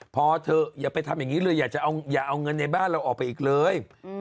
พอเถอะอย่าไปทำอย่างนี้เลยอย่าเอาเงินในบ้านเราออกไปอีกเลย